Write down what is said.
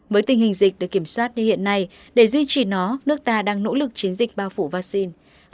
với tình hình dịch được kiểm soát như hiện nay để duy trì nó nước ta đang nỗ lực chiến dịch bao phủ vaccine